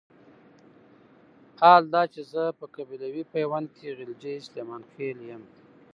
حال دا چې زه په قبيلوي پيوند کې غلجی سليمان خېل يم.